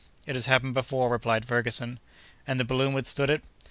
"It has happened before," replied Ferguson. "And the balloon withstood it?"